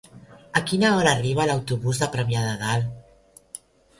A quina hora arriba l'autobús de Premià de Dalt?